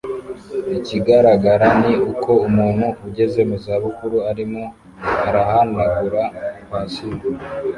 Ikigaragara ni uko umuntu ugeze mu za bukuru arimo arahanagura patio